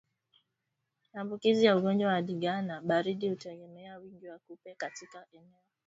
Maambukizi ya ugonjwa wa ndigana baridi hutegemea wingi wa kupe katika eneo